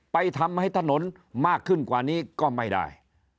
ไปทำให้ถนนมากขึ้นกว่านี้ก็ไม่ได้